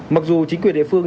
mặc dù chính quyền địa phương